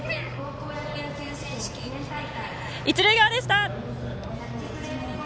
一塁側でした。